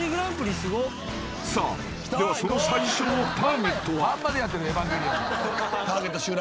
［さあではその最初のターゲットは］